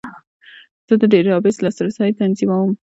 زه د ډیټابیس لاسرسی تنظیموم.